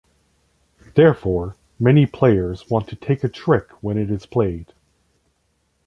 Therefore, many players want to take a trick when it is played.